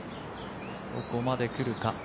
ここまで来るか。